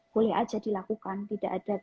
boleh aja dilakukan tidak ada